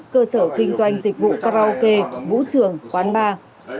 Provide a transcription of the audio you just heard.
cơ sở kinh doanh dịch vụ karaoke vũ trường quán bar